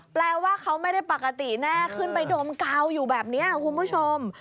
แปลว่าเขาไม่ได้ปกติแน่ขึ้นไปดมกาวอยู่แบบนี้คุณผู้ชม